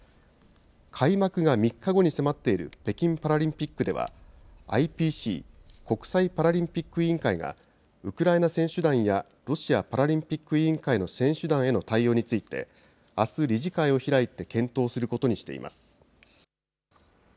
開幕が３日後に迫っている北京パラリンピックでは、ＩＰＣ・国際パラリンピック委員会が、ウクライナ選手団やロシアパラリンピック委員会の選手団への対応について、あす、理事会を開いて検討することにしています。